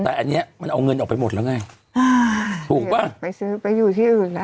แต่อันเนี้ยมันเอาเงินออกไปหมดแล้วไงอ่าถูกป่ะไปซื้อไปอยู่ที่อื่นนะ